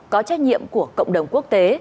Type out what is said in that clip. có trách nhiệm của cộng đồng quốc tế